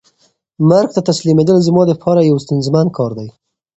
مرګ ته تسلیمېدل زما د پاره یو ستونزمن کار دی.